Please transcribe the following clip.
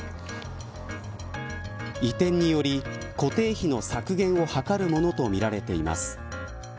移転により固定費の削減を図るものとみられています。